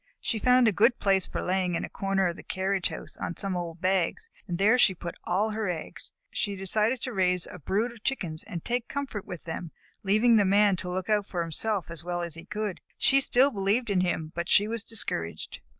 She found a good place for laying, in a corner of the carriage house on some old bags, and there she put all her eggs. She had decided to raise a brood of Chickens and take comfort with them, leaving the Man to look out for himself as well as he could. She still believed in him, but she was discouraged.